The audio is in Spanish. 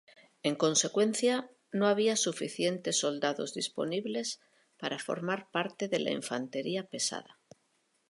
En consecuencia, no había suficientes soldados disponibles para formar parte de la infantería pesada.